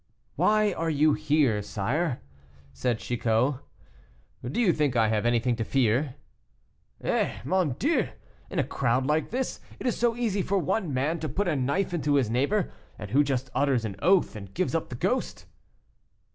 "Why are you here, sire?" said Chicot. "Do you think I have anything to fear?" "Eh! mon Dieu! in a crowd like this it is so easy for one man to put a knife into his neighbor, and who just utters an oath and gives up the ghost."